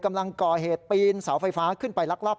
กำลังก่อเหตุปีนเสาไฟฟ้าขึ้นไปลักลอบ